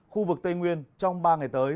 khu vực tây nguyên trong ba ngày tới